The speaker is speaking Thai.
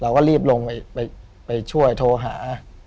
เราก็รีบลงไปช่วยโทรหา